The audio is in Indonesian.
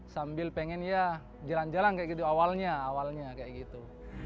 sambil pengen ya jalan jalan kayak gitu awalnya awalnya kayak gitu